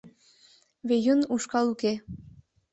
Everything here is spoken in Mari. Веюн ушкал уке.